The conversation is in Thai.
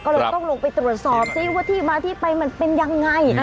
ก็เลยต้องลงไปตรวจสอบซิว่าที่มาที่ไปมันเป็นยังไง